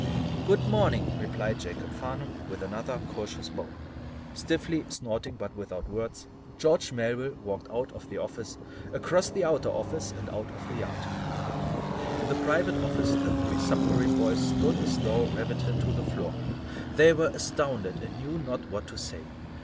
"Good morning," replied Jacob Farnum, with another courteous bow. Stiffly, snorting but without words, George Melville walked out of the office, across the outer office, and out into the yard. In the private office the three submarine boys stood as though riveted to the floor. They were astounded, and knew not what to say.